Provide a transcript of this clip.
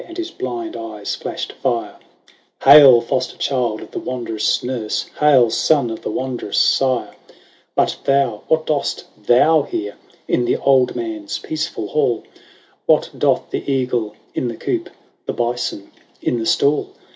And his blind eyes flashed fire :" Hail ! foster child of the wonderous nurse ! Hail ! son of the wonderous sire ! I di XII. " But thou — what dost thou here S^V" In the old man's peaceful hall ? What doth the eagle in the coop, The bison in the stall